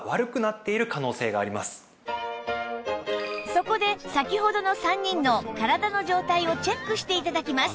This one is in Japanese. そこで先ほどの３人の体の状態をチェックして頂きます